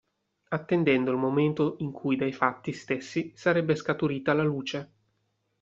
Attendendo il momento in cui dai fatti stessi sarebbe scaturita la luce.